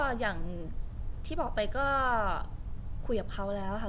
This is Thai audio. ก็อย่างที่บอกไปก็คุยกับเขาแล้วค่ะ